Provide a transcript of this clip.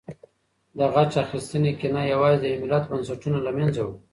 د غچ اخیستنې کینه یوازې د یو ملت بنسټونه له منځه وړي.